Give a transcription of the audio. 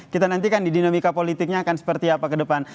kita nantikan di dinamika politiknya akan seperti apa ke depan